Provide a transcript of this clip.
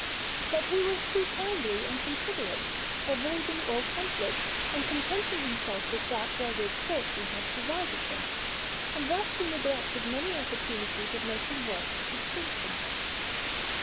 But he was too kindly and considerate, avoiding all conflict, and contenting himself with that wherewith fortune had provided him; and thus he neglected many opportunities of making works of distinction.